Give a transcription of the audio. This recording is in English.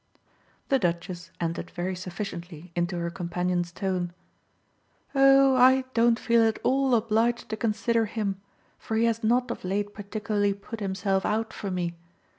The Duchess entered very sufficiently into her companion's tone. "Oh I don't feel at all obliged to consider him, for he has not of late particularly put himself out for me.